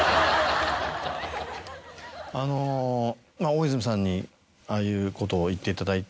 あの大泉さんにああいうことを言っていただいて。